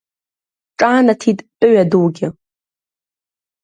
Ҿаанаҭит Тәыҩадугьы.